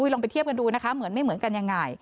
ลองไปเทียบกันดูนะคะเหมือนไม่เหมือนกันยังไง